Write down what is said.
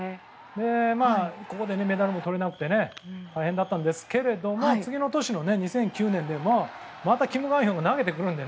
ここでメダルもとれなくて大変だったんですけれども次の年の２００９年でキム・グァンヒョンが投げてきたので。